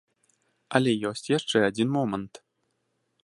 Але ёсць яшчэ адзін момант.